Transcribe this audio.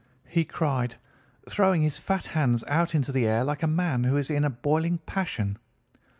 he cried, throwing his fat hands out into the air like a man who is in a boiling passion.